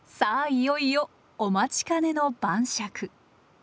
いよいよお待ちかねの晩酌。